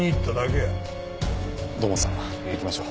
土門さん行きましょう。